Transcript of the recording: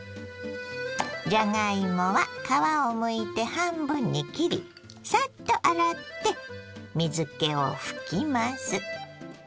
じゃがいもは皮をむいて半分に切りサッと洗って水けを拭きます。